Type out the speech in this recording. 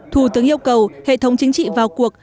thủ tướng yêu cầu hệ thống chính trị vào cuộc